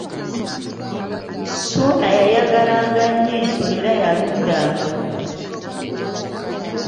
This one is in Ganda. Ssuuna yayagalanga nnyo ensolo era yalundanga: